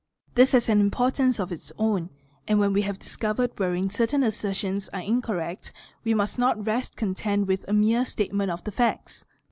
This has an importance of its own, and when we have discovered wherein certain assertions are incorrect, we must not rest content with a mere statement of the facts.